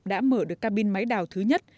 đã mở được ca bin máy đào thứ nhất